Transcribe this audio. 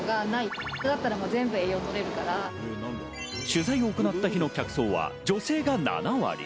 取材を行った日の客層は女性が７割。